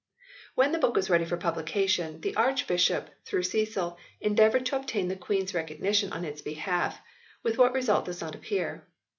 When the book was ready for publication, the Archbishop through Cecil endeavoured to obtain the Queen s recognition on its behalf, with what result does not appear.